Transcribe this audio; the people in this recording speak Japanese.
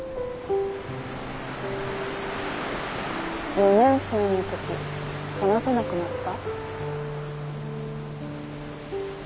４年生の時話せなくなった？